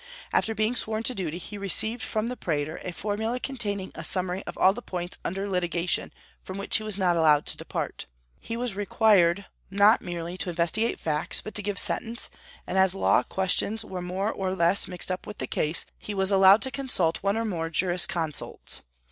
After being sworn to duty, he received from the praetor a formula containing a summary of all the points under litigation, from which he was not allowed to depart. He was required not merely to investigate facts, but to give sentence; and as law questions were more or less mixed up with the case, he was allowed to consult one or more jurisconsults.